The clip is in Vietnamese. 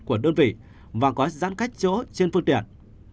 của đơn vị và có giãn cách chỗ trên phương tiện